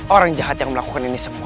orang jahat yang melakukan ini semua